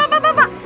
pak pak pak